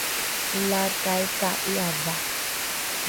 olaakai ka i’adha